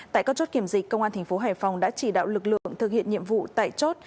tại các chốt kiểm dịch công an thành phố hải phòng đã chỉ đạo lực lượng thực hiện nhiệm vụ tại chốt